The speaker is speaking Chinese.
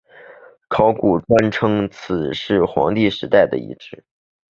考古专家称此城是黄帝时代的遗址。